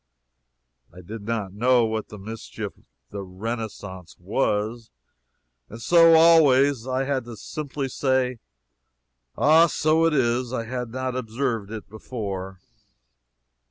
I did not know what in the mischief the Renaissance was, and so always I had to simply say, "Ah! so it is I had not observed it before."